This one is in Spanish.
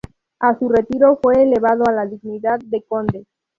A su retiro fue elevado a la dignidad de conde.